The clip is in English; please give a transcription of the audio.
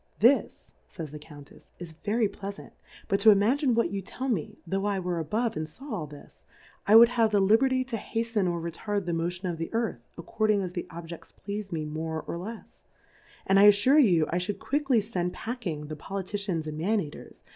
' This^f ays the Cotmtefs^ is very pleafant, but to imagine what you tell me, tho' I were above, and faw all this, I would have the Liberty to haften or retard the Motion of the Earth, according as tlie Objefts pleas'd me more or lefsj and T alTure you I fliould quickly fend pack ing the Toiitkiajts and Man eaters.